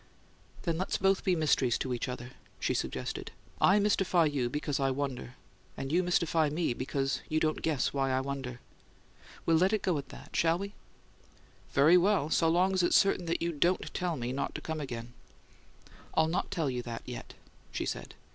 "Then let's both be mysteries to each other," she suggested. "I mystify you because I wonder, and you mystify me because you don't guess why I wonder. We'll let it go at that, shall we?" "Very well; so long as it's certain that you DON'T tell me not to come again." "I'll not tell you that yet," she said.